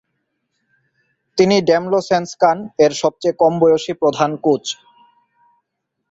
তিনি ড্যামলসেনস্কান-এর সবচেয়ে কমবয়সী প্রধান কোচ।